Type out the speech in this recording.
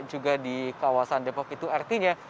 juga di kawasan depok itu artinya